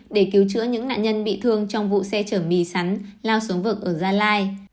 để cứu chữa những nạn nhân bị thương trong vụ xe chở mì sắn lao xuống vực ở gia lai